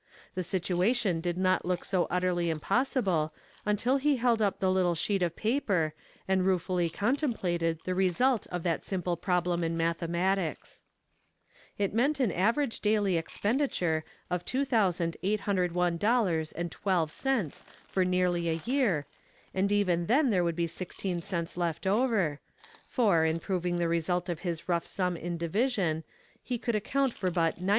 The situation did not look so utterly impossible until he held up the little sheet of paper and ruefully contemplated the result of that simple problem in mathematics. It meant an average daily expenditure of $2,801.12 for nearly a year, and even then there would be sixteen cents left over, for, in proving the result of his rough sum in division, he could account for but $999,999.